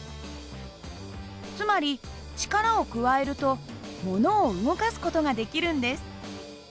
つまり力を加えるとものを動かす事ができるんです。